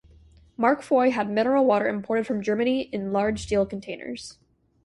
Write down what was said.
Mark Foy had mineral water imported from Germany in large steel containers.